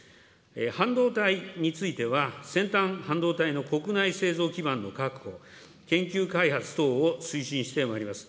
半導体については、先端半導体の国内製造基盤の確保、研究開発等を推進してまいります。